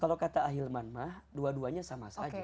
kalau kata ahilman mah dua duanya sama saja